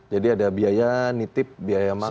jadi ada biaya nitip biaya makan